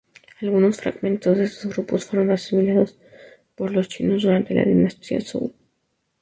Algunos fragmentos de estos grupos fueron asimilados por los chinos durante la dinastía Zhou.